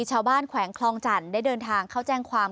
แขวงคลองจันทร์ได้เดินทางเข้าแจ้งความ